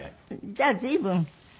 じゃあ随分。